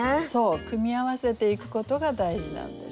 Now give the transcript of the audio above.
組み合わせていくことが大事なんです。